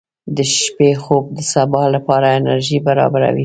• د شپې خوب د سبا لپاره انرژي برابروي.